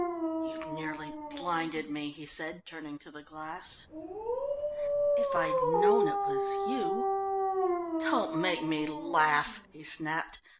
"You've nearly blinded me," he said, turning to the glass. "If I'd known it was you " "Don't make me laugh!" he snapped.